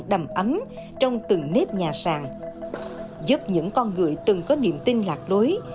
đầm ấm trong từng nếp nhà sàng giúp những con người từng có niềm tin lạc lối